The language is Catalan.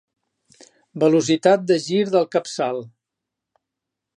Velocitat de gir del capçal.